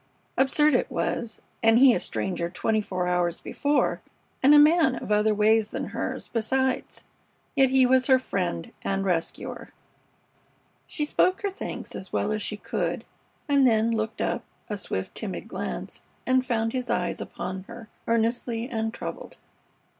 Absurd it was, and he a stranger twenty hours before, and a man of other ways than hers, besides. Yet he was her friend and rescuer. She spoke her thanks as well as she could, and then looked up, a swift, timid glance, and found his eyes upon her earnestly and troubled.